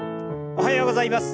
おはようございます。